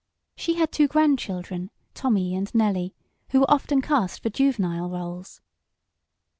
She had two grandchildren, Tommy and Nellie, who were often cast for juvenile rôles.